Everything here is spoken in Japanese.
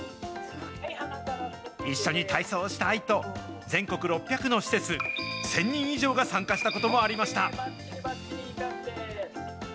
一緒に体操をしたいと、全国６００の施設、１０００人以上が参加したこともありました。